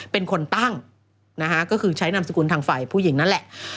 เป็นคนตั้งนะฮะก็คือใช้นามสกุลทางฝ่ายผู้หญิงนั่นแหละ